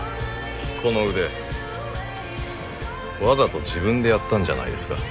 この腕わざと自分でやったんじゃないですか？